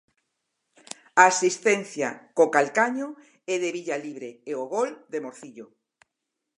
A asistencia, co calcaño, é de Villalibre, e o gol de Morcillo.